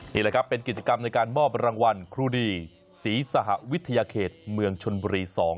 นี่แหละครับเป็นกิจกรรมในการมอบรางวัลครูดีศรีสหวิทยาเขตเมืองชนบุรี๒